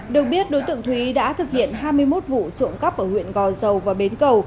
được biết đối tượng thúy đã thực hiện hai mươi một vụ trộm cắp ở huyện gò dầu và bến cầu